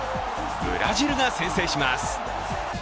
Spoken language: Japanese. ブラジルが先制します。